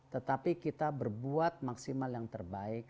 tetapi kita berbuat maksimal yang terbaik